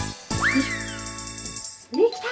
できた！